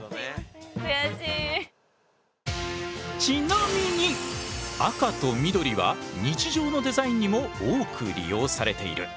ちなみに赤と緑は日常のデザインにも多く利用されている。